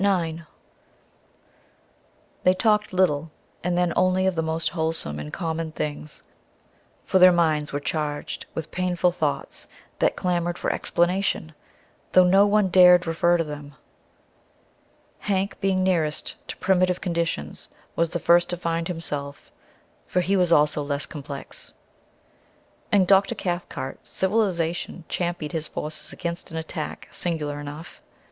IX They talked little, and then only of the most wholesome and common things, for their minds were charged with painful thoughts that clamoured for explanation, though no one dared refer to them. Hank, being nearest to primitive conditions, was the first to find himself, for he was also less complex. In Dr. Cathcart "civilization" championed his forces against an attack singular enough.